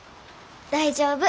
大丈夫。